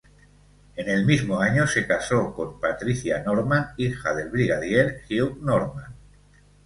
En el mismo año se casó con Patricia Norman, hija del Brigadier Hugh Norman.